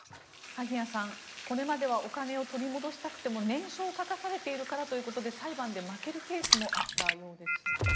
萩谷さん、これまではお金を取り戻したくても念書を書かされているからということで裁判で負けるケースもあったようです。